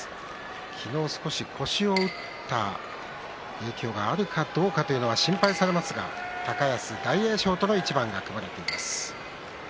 昨日、少し腰を打った影響があるかどうかというのが心配されますが高安、大栄翔との一番が組まれています。